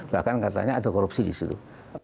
bahkan katanya ada korupsi disitu